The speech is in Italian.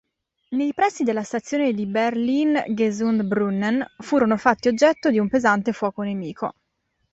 Nei pressi della stazione di Berlin-Gesundbrunnen, furono fatti oggetto di un pesante fuoco nemico.